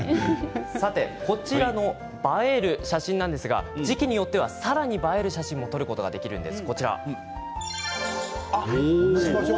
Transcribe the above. こちらの映える写真時期によっては、さらに映える写真を撮ることができるんです。